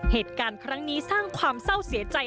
เหตุการณ์ครั้งนี้สร้างความเศร้าเสียใจ